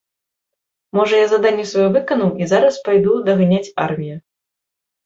Можа, я заданне сваё выканаў і зараз пайду даганяць армію.